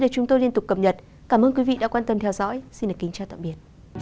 cảm ơn quý vị đã quan tâm theo dõi